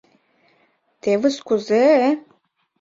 Тевыс кузе-э...